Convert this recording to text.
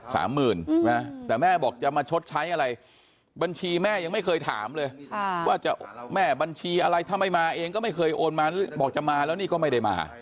สามหมื่นนะแต่แม่บอกจะมาชดใช้อะไรบัญชีแม่ยังไม่เคยถามเลยค่ะว่าจะแม่บัญชีอะไรถ้าไม่มาเองก็ไม่เคยโอนมาบอกจะมาแล้วนี่ก็ไม่ได้มา